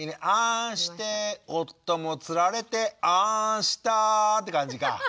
「『あん』して夫もつられて『あん』した」って感じか。